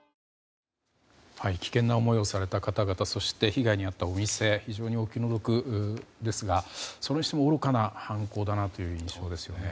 危険な思いをされた方々そして被害に遭ったお店非常にお気の毒ですがそれにしても、愚かな犯行だなという印象ですよね。